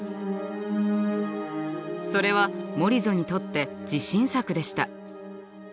それはモリゾにとって自信作でした。